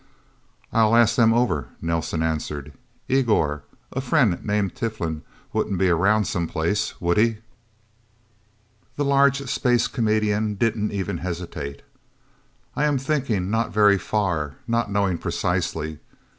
"I'll ask them over," Nelsen answered. "Igor a friend named Tiflin wouldn't be being around some place, would he?" The large space comedian didn't even hesitate. "I am thinking not very far not knowing precisely.